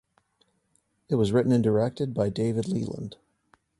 It was written and directed by David Leland.